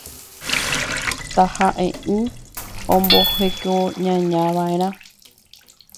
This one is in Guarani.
Taha’e’ỹ ombohekoñañava’erã